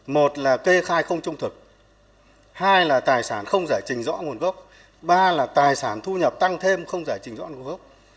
một là kê khai không trung thực hai là tài sản không giải trình rõ nguồn gốc ba là tài sản thu nhập tăng thêm không giải trình rõ nguồn gốc